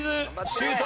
シュート！